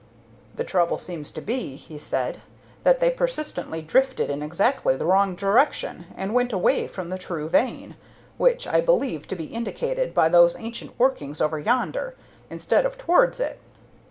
"The trouble seems to be," he said, "that they persistently drifted in exactly the wrong direction, and went away from the true vein which I believe to be indicated by those ancient workings over yonder instead of towards it.